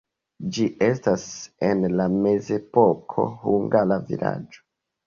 Ĝi estis en la mezepoko hungara vilaĝo.